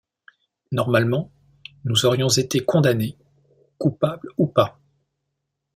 Normalement, nous aurions été condamnés, coupable ou pas.